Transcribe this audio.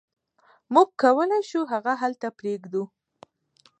موږ کولی شو هغه هلته پریږدو